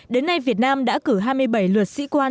đến nay việt nam đã cử hai mươi bảy luật sĩ quan